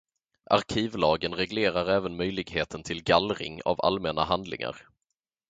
Arkivlagen reglerar även möjligheten till gallring av allmänna handlingar.